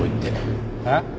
えっ？